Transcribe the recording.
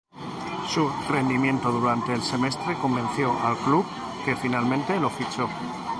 Su rendimiento durante el semestre convenció al club, que finalmente lo fichó.